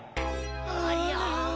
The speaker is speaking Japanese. ありゃ。